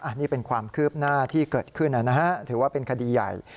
อันนี้เป็นความคืบหน้าที่เกิดขึ้นนะฮะถือว่าเป็นคดีใหญ่